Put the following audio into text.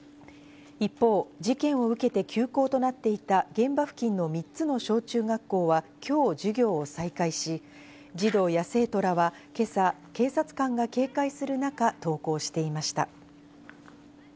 一方、事件を受けて休校となっていた現場付近の３つの小中学校は今日、授業を再開し、児童や生徒らは今朝、警察官が警戒する中、登校していました。